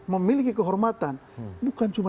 memiliki kehormatan bukan cuma